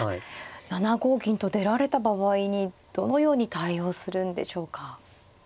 ７五銀と出られた場合にどのように対応するんでしょうか。